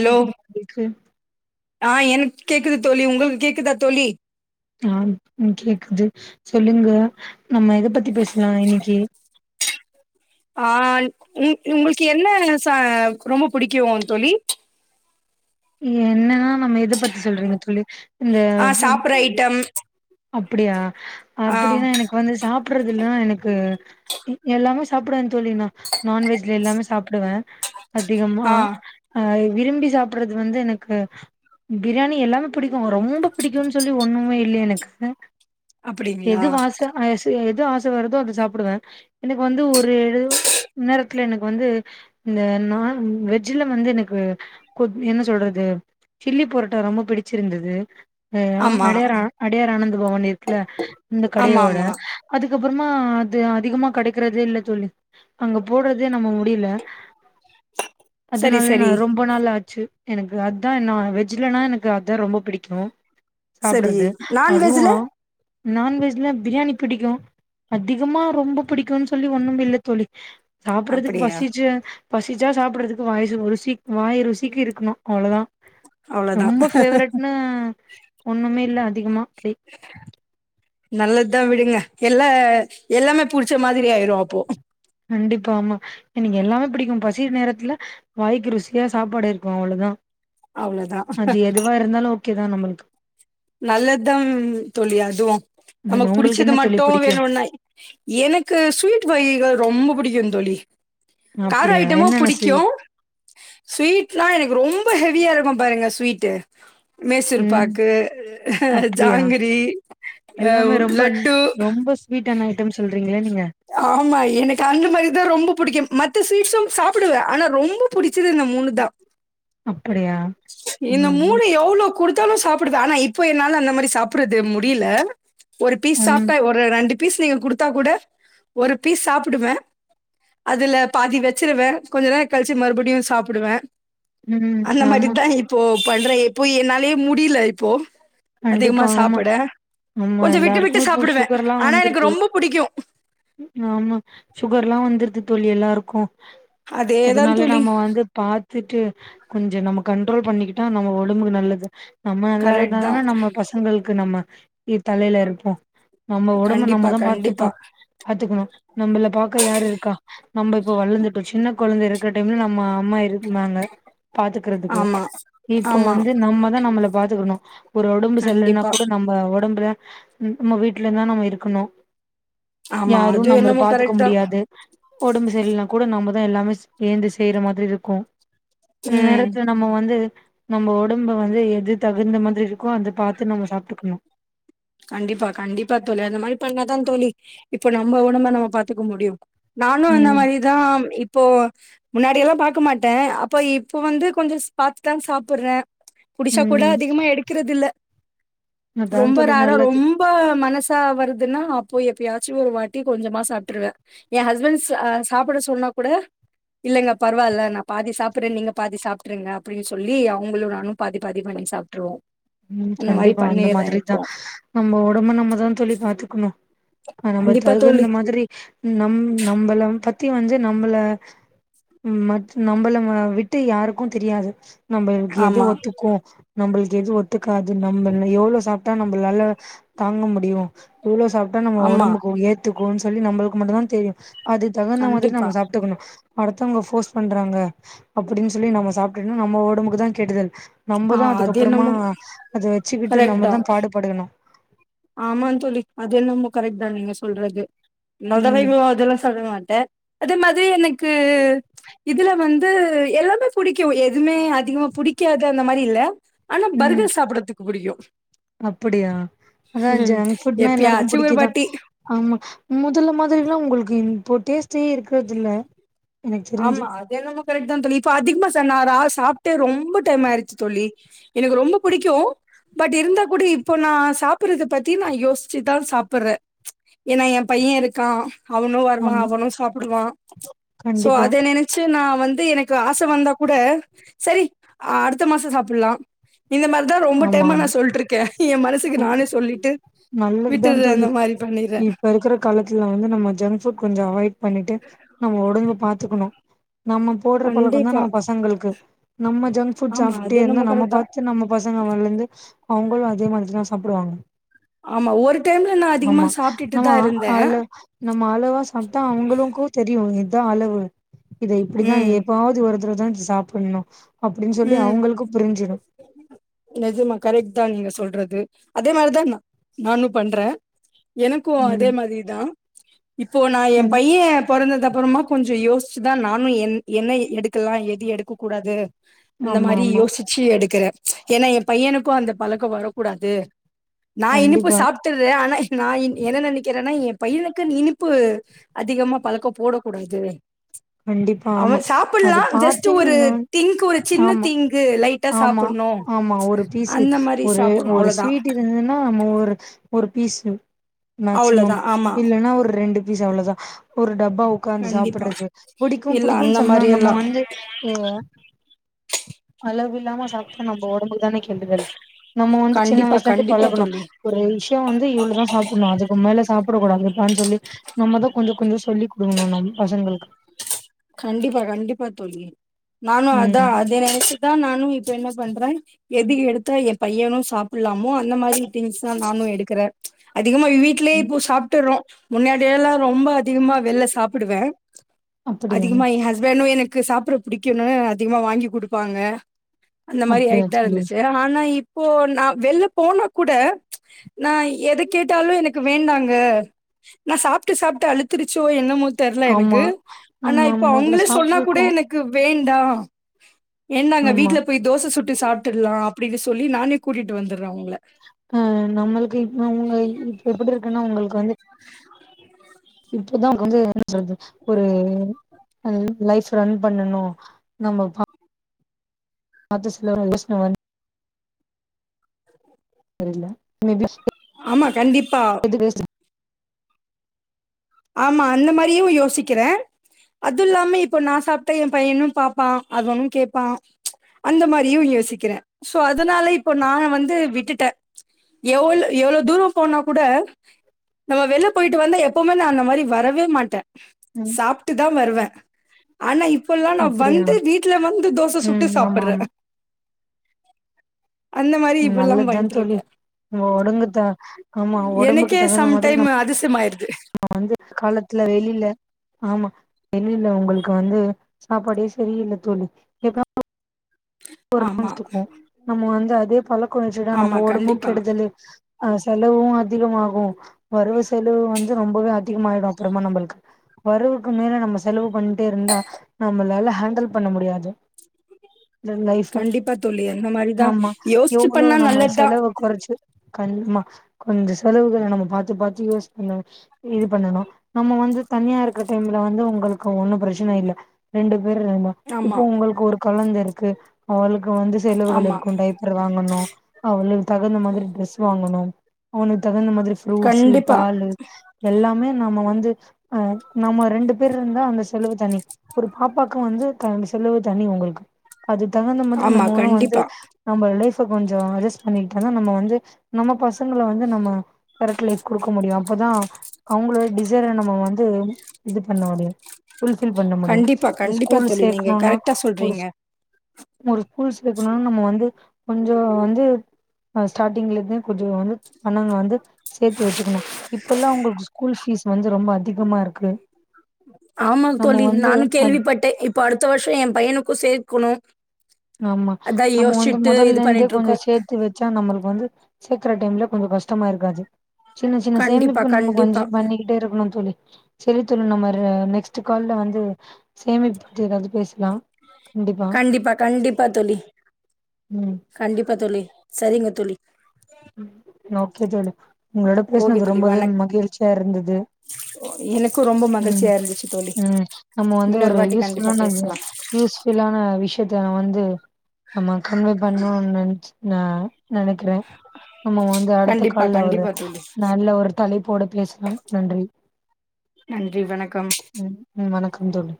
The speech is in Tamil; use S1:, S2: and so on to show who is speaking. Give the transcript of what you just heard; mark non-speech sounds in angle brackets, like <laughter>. S1: ஹலோ
S2: கேக்குதா நா பேஸ்றது
S1: ஆ எனக் கேக்குது தோழி உங்களுக்கு கேக்குதா தோழி
S2: ஆம் ம் கேக்குது சொல்லுங்க நம்ம எத பத்தி பேஸ்லா இன்னைக்கி
S1: ஆல் உங் உங்கள்க்கு என்ன சா ரொம்ப புடிக்கு தோழி
S2: என்னா நம்ம எத பத்தி சொல்றீங்க தோழி இந்த <inaudible>
S1: டம்
S2: அப்படியா அப்படின்னா எனக் வந்து சாப்பட்றதுல்னா எனக்கு எல்லாமே சாப்புடுவே தோழி நா நான்வெஜ்ல எல்லாமே சாப்புடுவே அதிகமா
S1: ஆ
S2: ஆ விரும்பி சாப்பட்றது வந்து எனக்கு பிரியாணி எல்லாமே பிடிக்கு ரொம்ப பிடிக்குன் சொல்லி ஒன்னுமே இல்ல எனக்கு எது
S1: அப்டிங்களா
S2: வாச ஆசையா எது ஆச வருதோ அத சாப்புடுவே எனக் வந்து ஒரு நேரத்துல எனக் வந்து இந்த நான் வெஜ்ஜுல வந்து எனக்கு கொத் என்ன சொல்றது சில்லி புரோட்டா ரொம்ப பிடிச்சிருந்துது அ ஆ
S1: ஆமா
S2: அடையார் ஆ அடையர் ஆனந்த பவன் இருக்குல்ல இந்த
S1: ஆமா
S2: கடையோட
S1: ஆமா
S2: அதுக்கப்பறமா அது அதிகமா கெடைக்கறதே இல்ல தோழி அங்க போட்றதே நம்ம முடியில
S1: சரி
S2: அதுனால நா
S1: சரி
S2: ரொம்ப நாள் ஆச்சு எனக்கு அதா நா வெஜ்ஜுலனா எனக்கு அதா ரொம்ப பிடிக்கு
S1: சரி
S2: சாப்பட்றது
S1: நான்வெஜ்ல
S2: நான்வெஜ்ல பிரியாணி பிடிக்கு அதிகமா ரொம்ப பிடிக்குன் சொல்லி ஒன்னுமில்ல தோழி சாப்பட்றதுக்கு
S1: அப்டியா
S2: பசிச்சு பசிச்சா சாப்பட்றதுக்கு வாய்சு ஒ ருசிக் வாய் ருசிக்கு இருக்கணு அவ்ளோ தா
S1: அவ்ளோதா
S2: ரொம்ப பேஃவரெட்னா ஒன்னுமே இல்ல அதிகமா அப்டி
S1: நல்லத் தா விடுங்க எல்லா எல்லாமே புடிச்ச மாதிரி ஆய்ரு அப்போ
S2: கண்டிப்பா ஆமா எனக்கு எல்லாமே பிடிக்கும் பசி நேரத்துல வாய்க்கு ருசியா சாப்பாடு இருக்கு அவ்ளோதா
S1: அவ்ளோதா
S2: அது எதுவா இருந்தாலு ஓகே தா நம்மளுக்கு
S1: நல்லதாம் தோழி அதுவு
S2: ம்
S1: நமக்கு
S2: உங்களுக்கு
S1: புடிச்சது
S2: என்ன தோழி
S1: மட்டு
S2: பிடிக்கு
S1: வேணும்னா எனக்கு ஸ்வீட் வகைகள் ரொம்ப பிடிக்கு தோழி கார
S2: அப்டியா
S1: ஐட்டமு
S2: என்னென்ன
S1: பிடிக்கு
S2: ஸ்வீட்
S1: ஸ்வீட்லா எனக்கு ரொம்ப ஹெவியா இருக்கு பாருங்க ஸ்வீட்டு மேசூர்
S2: ம்
S1: பாக்கு
S2: அப்டியா
S1: ஜாங்கிரி ஆ
S2: எல்லாமே ரொம்ப
S1: லட்டு
S2: ரொம்ப ஸ்வீடான ஐட்டம் சொல்றீங்களே நீங்க
S1: ஆமா எனக்கு அந்த மாரி தா ரொம்ப புடிக்கு மத்த ஸ்வீட்ஸும் சாப்பிடுவே ஆனா ரொம்ப புடிச்சது இந்த மூணு தா
S2: அப்படியா
S1: இந்த
S2: ம்
S1: மூணு எவ்ளோ கொடுத்தாலு சாப்பிடுவே ஆனா இப்ப என்னால அந்த மாரி சாப்பிடுறது முடியல ஒரு பீஸ்
S2: ம்
S1: சாப்ட்டா ஒ ரு ரெண்டு பீஸ் நீங்க குடுத்தா கூட ஒரு பீஸ் சாப்டுவ அதுல பாதி வச்சிருவே கொஞ்ச நேர கழிச்சு மறுபடியு சாப்பிடுவே
S2: ம்
S1: அந்த
S2: ஆமா
S1: மாரிதா இப்போ பண்றே எப்போ என்னாலயே முடியல இப்போ அதிகமா
S2: கண்டிப்பா ஆமா
S1: சாப்பட
S2: ஆமா
S1: கொஞ்ச விட்டு விட்டு
S2: எல்லாருக்கு இப்போ
S1: சாப்டுவே
S2: சுகர்லா
S1: ஆனா
S2: வந்துருக்கு
S1: எனக்கு ரொம்ப பிடிக்கு
S2: ஆமா சுகர்ல்லா வந்துருது தோழி எல்லாருக்கு
S1: அதேதா
S2: அதனால
S1: தோழி
S2: நம்ம வந்து பாத் கத்துட்டு கொஞ்ச நம்ம கண்ட்ரோல் பண்ணிக்கிட்டா நம்ம உடம்புக்கு நல்லது நம்ம எல்லா
S1: கரெக்ட் தா
S2: பசங்களுக்கு நம்ம இ தலையில இருப்போ நம்ம ஒடம்ப
S1: கண்டிப்பா
S2: நம்மதா
S1: கண்டிப்பா
S2: பாத்துப்போ பாத்துக்கணு நம்மள பாக்க யாரு இருக்கா நம்ம இப்ப வளர்ந்துட்டோ சின்ன குழந்த இருக்கிற டைம்ல நம்ம அம்மா இரு நாங்க பாத்துக்கறதுக்கு
S1: ஆமா
S2: இப்போ
S1: ஆமா
S2: வந்து நம்மதா நம்மள பாத்துக்கணு ஒரு ஒடம்பு செல்ர்லனா
S1: கண்டிப்பா
S2: கூட நம்ம ஒடம்புல நம்ம வீட்ல தா நம்ம இருக்கணு
S1: ஆமா
S2: யாரு
S1: அது
S2: நம்மள
S1: என்னமோ
S2: பாத்துக்க
S1: கரெக்ட் தா
S2: முடியாது ஒடம்பு சரில்லனா கூட நாமதா எல்லாமே சேந்து செய்யற மாதிரி இருக்கு அந்த
S1: ம்
S2: நேரத்ல நம்ம வந்து நம்ம உடம்ப வந்து எது தகுந்த மாதிரி இருக்கோ அத பாத்து நம்ம சாப்ட்டுக்கணு
S1: கண்டிப்பா கண்டிப்பா தோழி அந்த மாரி பண்ணாதா தோழி இப்ப நம்ம உடம்ப நம்ம பாத்துக்க முடியு நானு அந்த
S2: ம்
S1: மாரிதா இப்போ முன்னாடிெல்லா பாக்க மாட்ட அப்போ இப்போ வந்து கொஞ்ச பாத்து தாங்க சாப்டுற புடிசா கூட
S2: ம்
S1: அதிகமா எடுக்குறது இல்ல
S2: அதான்
S1: ரொம்ப
S2: தோழி
S1: ரேர்
S2: நல்லது
S1: ரொம்ப மனசா வருதுன்னா அப்போ எப்பயாச்சும் ஒரு வாட்டி கொஞ்சமா சாப்டுருவே என் ஹஸ்பண்ட் சா சாப்ட சொன்ன கூட இல்லங்க பரவாயில்ல நா பாதி சாப்ட்டுற நீங்க பாதி சாப்ட்ருங்க அப்டின்னு சொல்லி அவங்களு நானு பாதி பாதி பண்ணி சாப்டுருவோ
S2: ம் கண்டிப்பா அந்த மாதிரிதா நம்ம ஓடம்ப நம்மதா தோழி பாத்துக்கணு ஆ நம்ம
S1: கண்டிப்பா தோழி
S2: தகுந்த மாதிரி நம் நம்பள பத்தி வந்து நம்மள மத் நம்பள ஆ விட்டு யாருக்கு தெரியாது நம்மளுக்கு எது
S1: ஆமா
S2: ஒத்துக்கு நம்மளுக்கு எது ஒத்துக்காது நம்ம எவ்ளோ சாப் டா நம்ம நல்லா தாங்க முடியு எவ்ளோ சாப்ட்டா நம்ம
S1: ஆமா
S2: உடம்புக்கு எத் க்கும்ன்னு சொல்லி நம்மளுக்கு மட்டுதா தெரியு அது தகுந்த மாதிரி
S1: கண்டிப்பா
S2: நம்ம சாப்ட்டுக்கணு அடுத்தவங்க ஃபோர்ஸ் பண்றாங்க அப்டின்னு சொல்லி நம்ம சாப்ட்டு நம்ம உடம்புக்கு தா கெடுதல்
S1: ஆ
S2: நம்மதா அதுக்கு
S1: அது
S2: அப்றமா
S1: என்னமோ
S2: அத வச்சுக்கிட்டு
S1: கரெக்ட் தா
S2: நம்மதா பாடுபடுகணு
S1: ஆமா தோழி அது எல்லாமே கரெக்ட் தா நீங்க சொல்றது
S2: ம்
S1: <unintelligible> சொல்ல மாட்டேன் அதே மாதிரி எனக்கு இதுல வந்து எல்லாமே புடிக்கு எதுவுமே அதிகமா புடிக்காது அந்த மாதிரி இல்ல ஆனா
S2: ம்
S1: பர்கர் சாப்பிடறதுக்கு புடிக்கும்
S2: அப்படியா அதான் ஜங்க் ஃபுட்னா எல்லாருக்கும்
S1: எப்பயாச்சு ஒரு
S2: பிடிக்குதான்
S1: வாட்டி
S2: ஆமா மொதல்ல மாதிரில்லாம் உங்களுக்கு இப்போ டேஸ்டே இருக்கறதில்ல
S1: ஆமா அத என்னமோ கரெக்ட் தா னதோழி இப்போ அதிகமா சார் நான் சாப்பிட்டே ரொம்ப டைம் ஆயிடுச்சு சொல்லி எனக்கு ரொம்ப புடிக்கும் பட் இருந்தா கூட இப்போ நான் சாப்பட்றத பத்தி நான் யோசிச்சுதான் சாப்பட்றேன் ஏனா என் பையன் இருக்கான் அவனும் வருவான்
S2: ஆமா
S1: அவனும் சாப்பிடுவான் சோ
S2: கண்டிப்பா
S1: அத நினைச்ச சச்சு நா வந்து எனக்கு ஆசை வந்தா கூட சரி அடுத்த மாசம் சாப்பிடலாம் இந்த மாதிரிதான் ரொம்ப
S2: ஆமா
S1: டைமா
S2: ஆமா
S1: நான் சொல்ட்ருக்கேன் என் மனசுக்கு நானே சொல்லிட்டு
S2: நல்லதுதா
S1: விட்டுறே அந்த
S2: தோழி
S1: மாதிரி பண்ணறேன்
S2: இப்ப இருக்கிற காலத்துல வந்து நம்ம ஜங்க் புட் கொஞ்சம் அவாய்ட் பண்ணிட்டு நம்ம உடம்பு பாத்துக்கணும் நம்ம போட்ற பழக்கந்தான்
S1: கண்டிப்பா
S2: நம்ம பசங்களுக்கு நம்ம ஜங்க்ஃபுட்
S1: ஆமா
S2: சாப்பிட்டே
S1: அது
S2: இருந்தா
S1: என்னமோ
S2: நம்ம
S1: கரெக்ட் தா
S2: பார்த்து நம்ம பசங்க வளந்து அவுங்களும் அதே மாறி தா சாப்டுவாங்க
S1: ஆமா ஒரு டைம்ல நா அதிகமா
S2: ஆமா
S1: சாப்ட்டுட்டு
S2: நம்ம
S1: தா இருந்தே
S2: அ அல நம்ம அளவா சாப்ட்டா அவங்களுக்கும் தெரியும் இதான் அளவுனு இத இப்டிதான்
S1: ம்
S2: எப்பாது ஒருதடவ தான் இத சாப்டணும் அப்டின்னு சொல்லி அவங்களுக்கும் புரிஞ்சிடும்
S1: நிஜமா கரெக்ட் தான் நீங்க சொல்றது அதே மாறி தா நா நானும் பண்றே எனக்கும் அதே
S2: ம்
S1: மாறி தா இப்போ நா என்
S2: சரி
S1: பையன் பொறந்தது அப்புறமா கொஞ்சோ யோசிச்சுதா நானும் என் என்ன எடுக்கலா எது எடுக்க கூடாது அந்த
S2: ஆமா
S1: மாறி
S2: ஆமா
S1: யோசிச்சு எடுக்கறேன் ஏன்னா என் பையனுக்கும் அந்த பழக்கம் வரக்கூடாது நான் இனிப்பு
S2: கண்டிப்பா
S1: சாப்ட்டுடுறேன் ஆனா நா என்ன நினக்கிறேன்னா என் பையனுக்கு இனிப்பு அதிகமா பழக்கம் போடக் கூடாது
S2: கண்டிப்பா
S1: அவ
S2: ஆமா
S1: சாப்புல்லா
S2: அது
S1: ஜஸ்ட்ட்
S2: பாத்து
S1: ஒரு
S2: நீங்க வந்
S1: க்கு ஒரு சின்ன
S2: ஆமா
S1: திங்கு லைட்டா
S2: ஆமா
S1: சாப்புணும்
S2: ஆமா
S1: அந்த மாறி சாப்புணும் அவளோதா
S2: என்னன்னா நம்ம ஒரு ஒரு பீஸு மேக்சிமம்
S1: அவ்ளோதா ஆமா
S2: இல்லன்னா ஒரு ரெண்டு பீஸ் அவளோதான் ஒரு டப்பா உக்காந்து
S1: கண்டிப்பா
S2: சாப்டுறது புடிக்கும்
S1: இல்ல
S2: புடிக்கும்
S1: அந்த
S2: சொன்னா
S1: மாரி
S2: நம்ம
S1: எல்லா
S2: வந்து து அளவு இல்லாம சாப்ட்டா நம்ம உடம்புக்கு தான கெடுதல் நம்ம வந்து சின்ன
S1: கண்டிப்பா
S2: வயசுலருந்து
S1: கண்டிப்பா
S2: பழகனு
S1: தோழி
S2: ஒரு விஷய வந்து இவ்ளோதா சாப்பனோ அதுக்கு மேல சாப்படக் கூடாதுப்பான்னு சொல்லி நம்மதான் கொஞ்சோ கொஞ்சோ சொல்லி குடுக்கணும் நம் பசங்களுக்கு
S1: கண்டிப்பா கண்டிப்பா தோழி நானும் அதான்
S2: ம்
S1: அத நெனச்சு தா நானும் இப்ப என்ன பண்றேன் எது எடுத்தா என் பையனும் சாப்புலாமோ அந்த மாறி திங்ஸ் தா நானும் எடுக்கறன் அதிகமா வீட்லயே
S2: ம்.
S1: இப்ப சாப்ட்டுறோம் முன்னாடில்லாம் ரொம்ப அதிகமா வெள்ல சாப்புடுவேன்
S2: அப்படியா
S1: அதிகமா என் ஹஸ்பண்டும் எனக்கு சாப்பட புடிக்கும்னு அதிகமா வாங்கி குடுப்பாங்க அந்த மாறி
S2: அப்படியா
S1: ஆயிட்டு தா
S2: தோழி
S1: இருந்துச்சு ஆனா இப்போ நா வெள்ல போனா கூட நா எத கேட்டாலும் எனக்கு வேண்டாங்க நா சாப்ட்டு சாப்ட்டு அழுத்திருச்சோ என்னமோ தெர்ல
S2: ஆமா
S1: எனக்கு ஆனா
S2: நம்ம
S1: இப்ப
S2: மொதல்ல
S1: அவுங்களே சொன்னா கூட
S2: சாப்ட்ருக்கோ
S1: எனக் கு வேண்டாம் வேண்டாங்க
S2: ஆமா
S1: வீட்ல போய் தோச சுட்டு சாப்டுடலாம் அப்டின்னு சொல்லி நானே கூட்டிட்டு வந்துடுறேன் அவுங்கள
S2: அ நம்மளுக்கு இப்ப உங்க இப்ப எப்டி இருக்குன்னா உங்களுக்கு வந்து இப்பதா வந்து என்ன சொல்றது ஒரு லைஃப் ரன் பண்ணணும் நம்ம பா <unintelligible> தெரில மேபி
S1: ஆமா கண்டிப்பா
S2: எது பேஸ்ட்டு
S1: ஆமா அந்த மாரியு யோசிக்கிறே அதுல்லாம இப்போ நா சாப்ட்டா எ பையனு பாப்பா அதுவோணு கேப்பா அந்த மாரியு யோசிக்கிறே சோ அதுனால இப்போ நா வந்து விட்டுட்ட எவ்ளோ எவ்ளோ தூரோ போனா கூட நம்ம வெள்ல போயிட்டு வந்த எப்போ ம்ம நா அந்த மாரி வரவே மாட்ட
S2: ம்
S1: சாப்ட்டு தா வருவே ஆனா இப்பல்லா நா
S2: அப்படியா
S1: வந்து வீட்ல வந்து தோச
S2: ம்
S1: சுட்டு
S2: ஆமா
S1: சாப்புற
S2: ஆமா
S1: அந்த மாரி
S2: ம்
S1: இப்பல்லாம்
S2: நல்லத்தா
S1: பண்ணிட்டு
S2: தோழி
S1: இருக்கேன்.
S2: நம் உடம்புத்த ஆமா உடம்புக்கு
S1: எனக்கே
S2: தகுந்த மாதிரி
S1: சம்டைம்
S2: நம்
S1: அதிசயமாயிருது.
S2: ஆ வந்து காலத்துல வெளில ஆமா வெளியில உங்களுக்கு வந்து சாப்பாடே சரியில்ல தோழி
S1: ஆமா,
S2: <unintelligible> நம்ம வந்து அதே பழக்கோ வெச்சிடா
S1: ஆமா
S2: நம்ம உடம்பும்
S1: கண்டிப்பா.
S2: கெடுதலு அ செலவு அதிகமாகு வருவ செலவு வந்து ரொம்பவே அதிகமாயிடு அப்புறமா நம்பள்க்கு வரவுக்கு மேல நம்ம செலவு பண்ட்டே இருந்தா நம்மளால ஹேண்டல் பண்ண முடியாது இந்த லைஃப்ப
S1: கண்டிப்பா தோழி அந்த மாரிதா
S2: ஆமா
S1: யோசிச்சு
S2: எவ்ளோ
S1: பண்ணா
S2: நம்ப
S1: நல்லதுதா
S2: செலவ குறைச்சு கண்டிமா கொஞ்ச செலவுகள நம்ம பாத்து பாத்து யூஸ் பண்ணா இது பண்ணணு நம்ம வந்து தனியா இருக்கற டைம்ல வந்து உங்களுக்கு ஒன்னு பிரச்சன இல்ல ரெண்டு பேர் ர்ந்தா
S1: ஆமா
S2: இப்போ உங்களுக்கு ஒரு குழந்த இருக்கு அவளுக்கு வந்து செலவுகள்
S1: ஆமா
S2: இருக்கு டைப்பர் வாங்கணு அவளுக் தகுந்த மாதிரி ட்ரெஸ் வாங்கனு அவனுக் தகுந்த மாதிரி ஃப்ரூட்ஸ்ஸு
S1: கண்டிப்பா
S2: பாலு எல்லாமே நாம வந்து அ நம்ம ரெண்டு பேர்ரிருந்தா அந்த செலவு தனி ஒரு பாப்பாக்கு வந்து க செலவு தனி உங்களுக்கு அது தகுந்த மாதிரி
S1: ஆமா
S2: நம்மலு வந்து
S1: கண்டிப்பா
S2: நம்ப லைஃப்ப கொஞ்ச அட்ஜஸ்ட் பண்ணிக்கிட்ட தா நம்ம வந்து நம்ம பசங்கள வந்து நம்ம கரெட் லைஃப் குடுக்க முடியு அப்பதா அவுங்ளோட டிசைர நம்ம வந்து இது பண்ண முடியு ஃபுல்பில் பண்ண முடியு
S1: கண்டிப்பா
S2: ஒரு
S1: கண்டிப்பா
S2: ஸ்கூல்
S1: தோழி நீங்க
S2: சேக்ணுனா
S1: கரெக்டா
S2: ஒரு
S1: சொல்றீங்க
S2: ஸ் ஒரு ஸ்கூல் சேக்ணுனா நம்ம வந்து கொஞ்ச வந்து அ ஸ்டார்ட்டிங்லந்தே கொஞ்ச வந்து பணங் வந்து சேத்து வச்சுக்குணு இப்பலா உங்களுக்கு ஸ்கூல் ஃபீஸ் வந்து ரொம்ப அதிகமா இருக்கு
S1: ஆமாங்
S2: நம்ம
S1: தோழி
S2: வந்து
S1: நானு
S2: அத்
S1: கேள்விப்பட்டே இப்ப அடுத்த வர்ஷோ எ பையனுக்கு சேக்குணு
S2: ஆமா நம்ம வந்து
S1: இது
S2: முதல்லேந்தே
S1: பண்ணிட்டு
S2: கொஞ்ச
S1: இருக்கோ
S2: சேத் த்து வச்சா நம்மளுக்கு வந்து சேக்ற டைம்ல கொஞ்ச கஷ்டமா இருக்காது சின்ன சின்ன
S1: கண்டிப்பா
S2: சேமிப்பு நம்முக்கு கொஞ்சி
S1: கண்டிப்பா
S2: பண்ணிக்கிட்டே இருக்குணு தோழி செரித் தோழி நம்ம நெக்ஸ்ட் கால்ல வந்து சேமிப்பத்தி ஏதாவது பேச்லா கண்டிப்பா
S1: கண்டிப்பா கண்டிப்பா தோழி
S2: ம்
S1: கண்டிப்பா தோழி சரிங்க தோழி
S2: ஓகே தோழி உங்ளோட
S1: ஓகே
S2: பேச்னது
S1: தோழி
S2: ரொம்பவே
S1: வணக்
S2: மகிழ்ச்சியா இருந்துது
S1: எனக்கு ரொம்ப
S2: ம்
S1: மகிழ்ச்சியா இருந்துச்சு தோழி
S2: ம் நம்ம வந்து
S1: இன்னொரு
S2: ஒரு
S1: வாட்டி
S2: யூஸ்
S1: கண்டிப்பா
S2: ஃபுல்லான
S1: பேசலா
S2: யூஸ் ஃபில்லான விஷயத்த நா வந்து ஆமா கன்வே பண்ணுன் நெனச்சு நா நெனைக்கிறே நம்ம வந்து அடுத்த
S1: கண்டிப்பா
S2: கால்ல வர
S1: கண்டிப்பா தோழி
S2: நல்ல ஒரு தலைப்போட பேசலா நன்றி
S1: நன்றி வணக்கம்
S2: ம் ம் வணக்கம் தோழி